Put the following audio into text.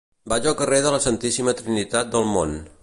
Vaig al carrer de la Santíssima Trinitat del Mont.